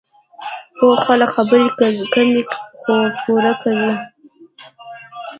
پوه خلک خبرې کمې، خو پوره کوي.